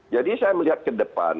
jadi saya melihat ke depan